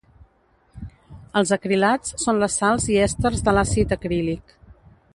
Els acrilats són les sals i èsters de l'àcid acrílic.